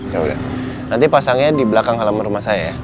yaudah nanti pasangnya di belakang halaman rumah saya ya